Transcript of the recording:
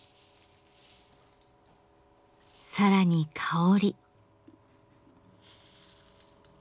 更に香り。